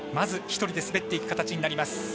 １人で滑っていく形になります。